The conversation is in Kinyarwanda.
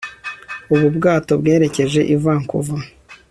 ubu bwato bwerekeje i vancouver